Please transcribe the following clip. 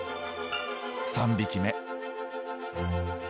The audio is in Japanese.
３匹目。